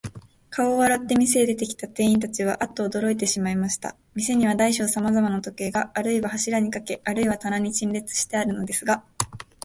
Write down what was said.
顔を洗って、店へ出てきた店員たちは、アッとおどろいてしまいました。店には大小さまざまの時計が、あるいは柱にかけ、あるいは棚に陳列してあるのですが、